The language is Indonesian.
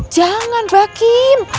jangan mbak kim